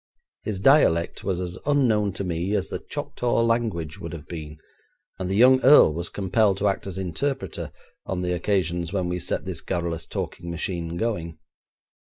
His dialect, was as unknown to me as the Choctaw language would have been, and the young earl was compelled to act as interpreter on the occasions when we set this garrulous talking machine going.